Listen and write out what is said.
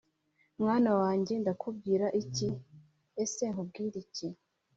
mwana wanjye, ndakubwira iki? Ese nkubwire iki?